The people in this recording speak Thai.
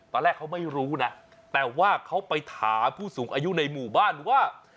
ตอนแรกเขาไม่รู้นะแต่ว่าเขาไปถามผู้สูงอายุในหมู่บ้านว่า